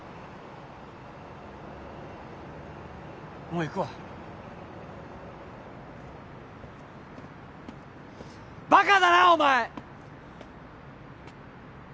もう行くわバカだなお前！